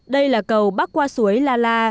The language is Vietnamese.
đây là cầu bắc qua suối la la